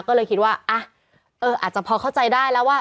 ก็เลยคิดว่าอ่ะเอออาจจะพอเข้าใจได้แล้วว่า